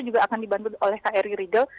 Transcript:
juga akan dibantu oleh kri rigel